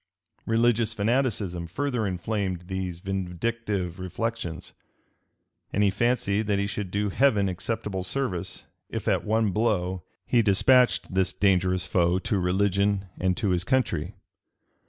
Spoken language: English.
Religious fanaticism further inflamed these vindictive reflections; and he fancied that he should do Heaven acceptable service, if at one blow he despatched this dangerous foe to religion and to his country.